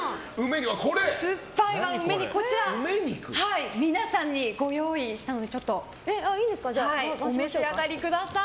こちら、皆さんにご用意したのでお召し上がりください。